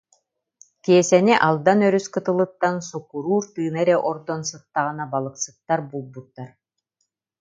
Киэсэни Алдан өрүс кытылыттан суккуруур тыына эрэ ордон сыттаҕына балыксыттар булбуттар